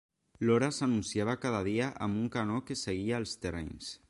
L'hora s'anunciava cada dia amb un canó que seguia als terrenys.